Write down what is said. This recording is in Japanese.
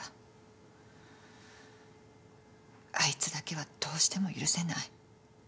あいつだけはどうしても許せない。